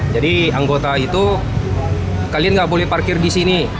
jadi anggota itu kalian nggak boleh parkir di sini